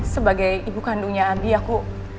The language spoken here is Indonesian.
sebagai ibu kandungnya adi aku